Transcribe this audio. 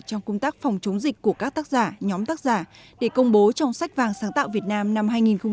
trong công tác phòng chống dịch của các tác giả nhóm tác giả để công bố trong sách vàng sáng tạo việt nam năm hai nghìn một mươi chín